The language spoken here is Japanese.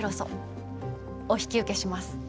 お引き受けします。